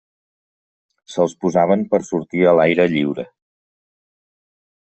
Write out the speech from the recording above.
Se'ls posaven per sortir a l'aire lliure.